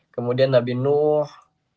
kemudian nabi nuh